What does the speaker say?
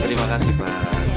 terima kasih pak